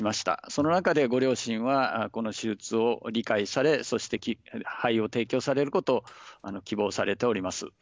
その中で、ご両親はこの手術を理解され肺を提供されることを希望されております。